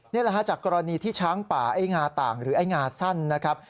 นี่แหละฮะจากกรณีที่ช้างป่าไอ้งาต่างหรือไอ้งาสั้นนะครับ